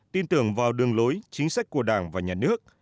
tin tưởng vào đường lối chính sách của đảng và nhà nước